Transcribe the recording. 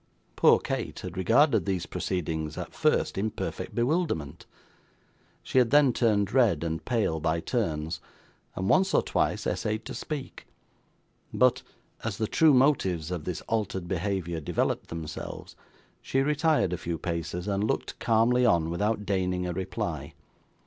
Poor Kate had regarded these proceedings, at first, in perfect bewilderment. She had then turned red and pale by turns, and once or twice essayed to speak; but, as the true motives of this altered behaviour developed themselves, she retired a few paces, and looked calmly on without deigning a reply.